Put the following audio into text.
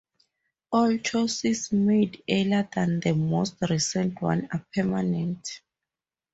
All choices made earlier than the most recent one are permanent.